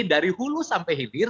dari hulu sampai hilir